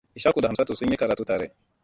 Ishaku da Hamsatu sun yi karatu tare.